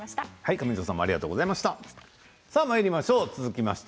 武藤さんありがとうございました。